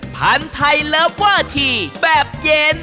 ๑พันธุ์ไทยและกว่าทีแบบเย็น